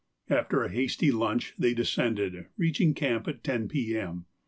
After a hasty lunch they descended, reaching camp at 10 P.M.